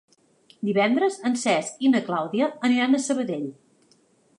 Divendres en Cesc i na Clàudia aniran a Sabadell.